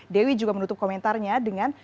dewi juga menutup komentarnya dengan